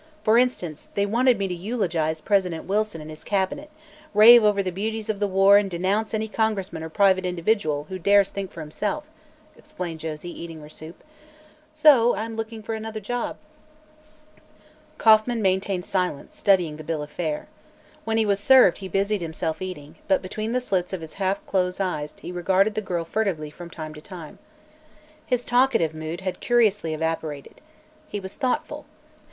For instance, they wanted me to eulogize President Wilson and his cabinet, rave over the beauties of the war and denounce any congressman or private individual who dares think for himself," explained Josie, eating her soup the while. "So I'm looking for another job." Kauffman maintained silence, studying the bill of fare. When he was served he busied himself eating, but between the slits of his half closed eyes he regarded the girl furtively from, time to time. His talkative mood had curiously evaporated. He was thoughtful.